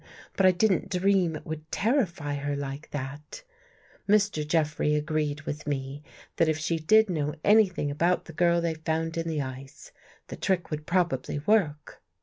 But I didn't dream It would terrify her like that. Mr. Jeffrey agreed with me, that If she did know anything about the girl they found in the ice, the trick would probably work."